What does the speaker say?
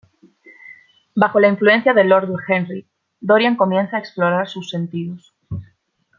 Bajo la influencia de Lord Henry, Dorian comienza a explorar sus sentidos.